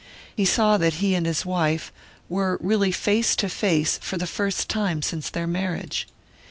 He saw that he and his wife were really face to face for the first time since their marriage.